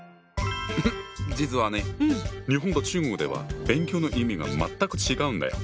実はね日本と中国では「勉強」の意味が全く違うんだよ。